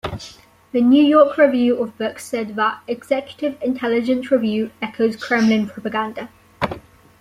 The New York Review of Books said that "Executive Intelligence Review" "echoes Kremlin propaganda".